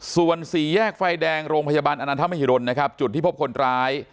ส่วนสี่แยกไฟแดงโรงพยาบาลอนันทมหิดลนะครับจุดที่พบคนร้าย